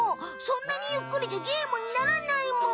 そんなにゆっくりじゃゲームにならないむ。